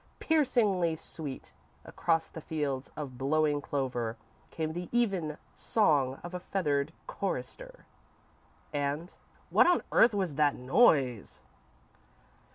Piercingly sweet, across the fields of blowing clover, came the even song of a feathered chorister, and_ what on earth was that noise?